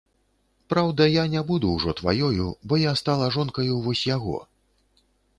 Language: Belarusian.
Праўда, я не буду ўжо тваёю, бо я стала жонкаю вось яго.